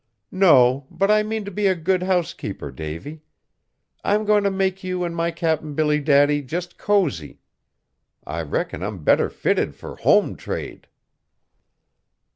"No, but I mean to be a good housekeeper, Davy. I am going to make you and my Cap'n Billy Daddy just cosy. I reckon I'm better fitted for home trade."